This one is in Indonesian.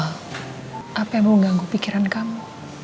al apa yang mau ganggu pikiran kamu